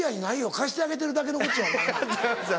貸してあげてるだけのことやお前に。